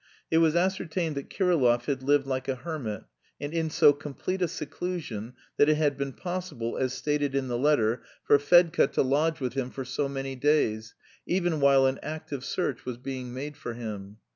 It was ascertained that Kirillov had lived like a hermit, and in so complete a seclusion that it had been possible, as stated in the letter, for Fedka to lodge with him for so many days, even while an active search was being made for him.